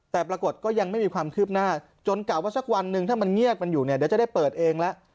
แต่ปรากฏก็ยังไม่มีความคืบหน้าจนกะว่าสักวันหนึ่งถ้ามันเงียบมันอยู่เนี่ยเดี๋ยวจะได้เปิดเองแล้ว